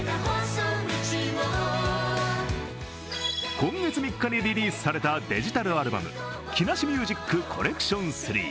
今月３日にリリースされたデジタルアルバム「木梨ミュージックコネクション３」。